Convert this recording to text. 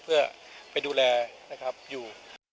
เพื่อไปดูแลนะครับอยู่